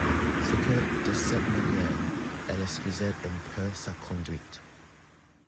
C'est que, de cette manière, elle excusait un peu sa conduite.